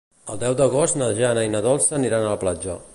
El deu d'agost na Jana i na Dolça aniran a la platja.